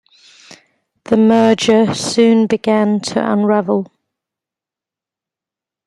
The merger soon began to unravel.